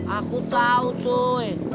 aku tau cuy